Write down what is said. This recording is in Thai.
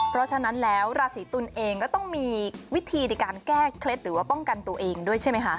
เพราะฉะนั้นแล้วราศีตุลเองก็ต้องมีวิธีในการแก้เคล็ดหรือว่าป้องกันตัวเองด้วยใช่ไหมคะ